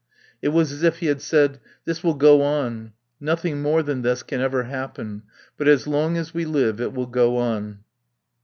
It was as if he had said, "This will go on. Nothing more than this can ever happen. But as long as we live it will go on."